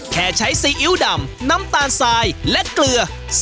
แค่ใช้ซีอิ๊วดำน้ำตาลทรายและเกลือ